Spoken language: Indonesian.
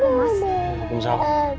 gak ada masalah